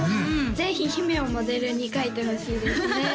ぜひ姫をモデルに描いてほしいですね